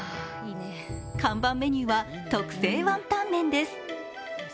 看板メニューは特製ワンタンメンです。